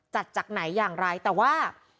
จากไหนอย่างไรแต่ว่า